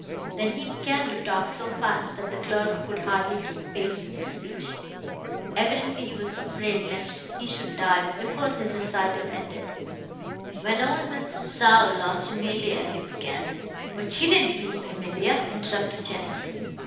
Then he began to talk so fast that the clerk could hardly keep pace with his speech. Evidently he was afraid lest he should die before his recital ended. "When old Mrs. Saul lost Emilia " he began. "But she didn't lose Emilia," interrupted Jennings.